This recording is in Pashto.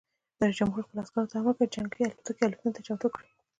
رئیس جمهور خپلو عسکرو ته امر وکړ؛ جنګي الوتکې الوتنې ته چمتو کړئ!